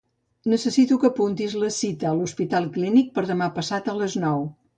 Necessito que apuntis la cita a l'Hospital Clínic per demà passat a les nou.